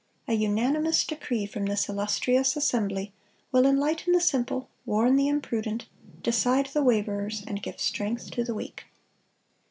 A unanimous decree from this illustrious assembly will enlighten the simple, warn the imprudent, decide the waverers, and give strength to the weak."